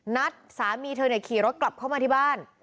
นัดสามีเธอขี่รถกลับเข้ามาที่บ้าน